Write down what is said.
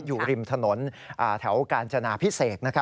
อยู่ริมถนนแถวกาญจนาพิเศษ